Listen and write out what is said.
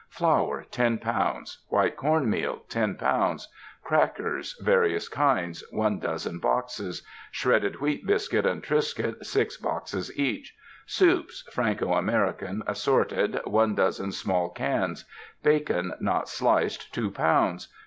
Flour 10 lbs. White Corn ]\Ieal 10 lbs. Crackers, various kinds 1 dozen boxes Shredded Wheat Biscuit and Triscuit 6 boxes each Soups, (Franco American) assorted 1 dozen small cans Bacon, not sliced 2 lbs.